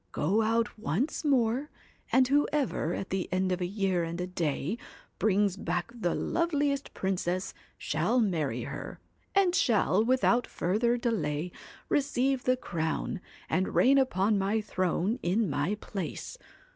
Go out once more, and whoever, at the end of a year and a day, brings back the loveliest princess, shall marry her, and shall, without further delay, receive the crown, and reign upon my throne in my place.